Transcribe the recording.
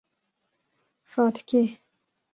Fatikê